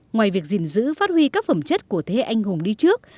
ngoài việc gìn giữ phát huy các phẩm chất của thế hệ anh hùng đi trước